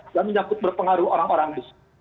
dan menyangkut berpengaruh orang orang besar